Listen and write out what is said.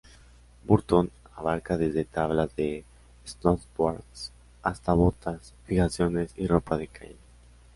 Burton abarca desde tablas de snowboard hasta botas, fijaciones y ropa de calle.